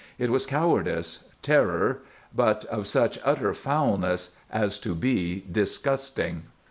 It was cowardice, terror, but of such utter foulness as to be disgusting.